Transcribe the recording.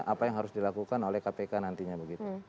apa yang harus dilakukan oleh kpk nantinya begitu